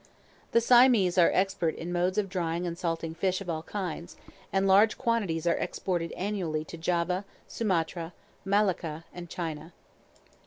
The Siamese are expert in modes of drying and salting fish of all kinds, and large quantities are exported annually to Java, Sumatra, Malacca, and China.